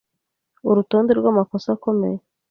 urutonde rw’amakosa akomeye